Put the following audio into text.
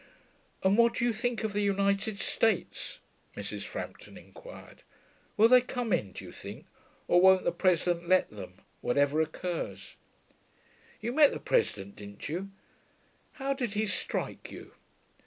'And what did you think of the United States?' Mrs. Frampton inquired. 'Will they come in, do you think, or won't the President let them, whatever occurs? You met the President, didn't you? How did he strike you?'